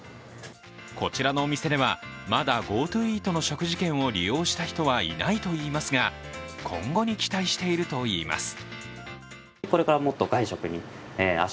こちらのお店ではまだＧｏＴｏイートの食事券を利用した人はいないといいますが今後に期待しているといいます。